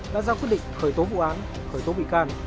đã ra quyết định khởi tố vụ án khởi tố bị can